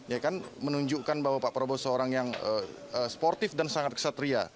ya kan menunjukkan bahwa pak prabowo seorang yang sportif dan sangat kesatria